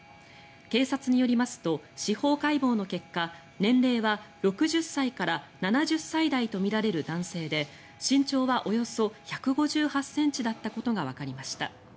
警察によりますと司法解剖の結果年齢は６０歳から７０歳代とみられる男性で身長はおよそ１５８ｃｍだったことがわかりました。